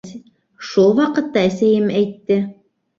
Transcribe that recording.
Шул ваҡытта әсәйем әйтте.